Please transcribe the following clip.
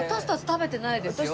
食べてないですよ。